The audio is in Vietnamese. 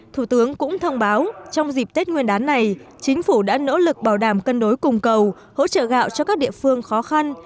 thủ tướng cũng thông báo trong dịp tết nguyên đán này chính phủ đã nỗ lực bảo đảm cân đối cùng cầu hỗ trợ gạo cho các địa phương khó khăn